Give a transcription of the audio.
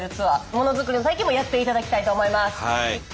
ものづくりの体験もやっていただきたいと思います。